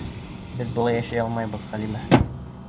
Беҙ былай йәшәй алмайбыҙ, Хәлимә!